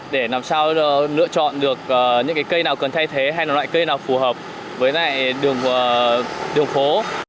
để làm sao lựa chọn được những cái cây nào cần thay thế hay là loại cây nào phù hợp với lại đường phố